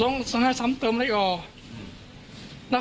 ของเจ้าตายไปเลยพี่ไหนรู้หว่า